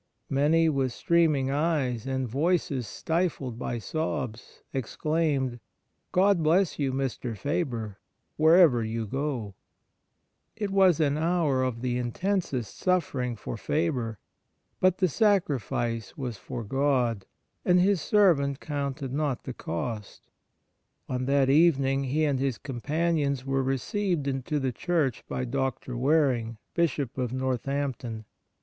Many, with streaming eyes and voices stifled by sobs, exclaimed :' God bless you, Mr. Faber, wherever you go !' It was an hour of the intensest suffering for Faber ; but the sacrifice was for God, and His servant counted not the cost. On that evening he and his companions were received into the Church by Dr. Wareing, Bishop of Northampton.